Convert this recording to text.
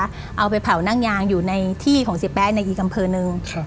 เอาไปเผานั่งยางอยู่ในที่ของเสียแป๊ะในอีกอำเภอหนึ่ง